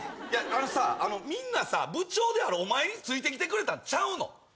あのさみんな部長であるお前についてきてくれたんちゃうの？